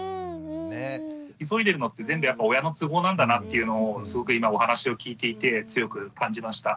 急いでるのって全部やっぱ親の都合なんだなっていうのをすごく今お話を聞いていて強く感じました。